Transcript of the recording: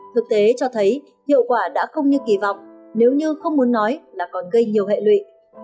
thực tế cho thấy hiệu quả đã không như kỳ vọng nếu như không muốn nói là còn gây nhiều hệ lụy